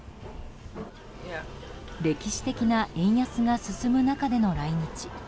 歴史的な円安が進む中での来日。